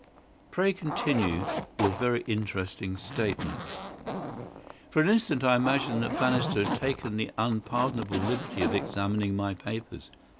"Pray continue your very interesting statement." "For an instant I imagined that Bannister had taken the unpardonable liberty of examining my papers.